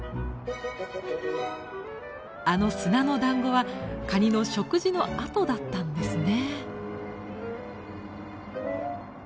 あの砂のだんごはカニの食事の跡だったんですね。